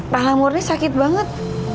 pahala murni sakit banget